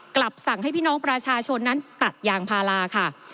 กลับสั่งให้พี่น้องประชาชนนั้นตัดยางพาราค่ะ